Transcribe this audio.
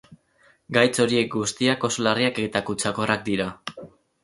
Gaitz horiek guztiak oso larriak eta kutsakorrak dira.